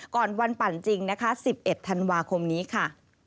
ก่อนวันปั่นจริงนะคะ๑๑ธันวาคมนี้ค่ะ